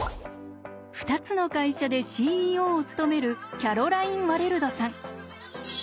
２つの会社でＣＥＯを務めるキャロライン・ワレルドさん。